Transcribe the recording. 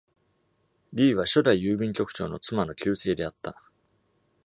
Leigh は初代郵便局長の妻の旧姓であった。